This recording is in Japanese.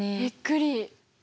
びっくり！